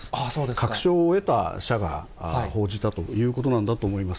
確証を得た社が報じたということなんだと思います。